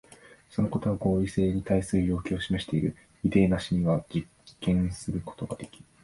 そのことは合理性に対する要求を示している。イデーなしには実験することができぬ。